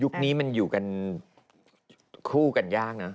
นี้มันอยู่กันคู่กันยากนะ